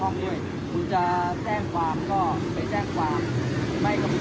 ตอนนี้กำหนังไปคุยของผู้สาวว่ามีคนละตบ